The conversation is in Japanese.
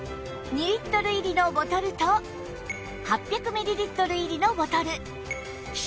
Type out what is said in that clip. ２リットル入りのボトルと８００ミリリットル入りのボトル希釈用の空